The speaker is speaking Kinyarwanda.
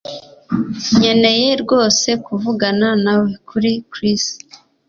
Nkeneye rwose kuvugana nawe kuri Chris